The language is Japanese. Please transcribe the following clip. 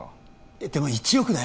えっでも１億だよ